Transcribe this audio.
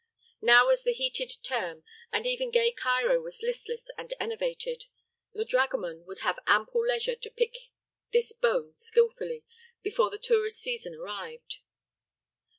Now was the heated term, and even gay Cairo was listless and enervated. The dragoman would have ample leisure to pick this bone skilfully before the tourist season arrived.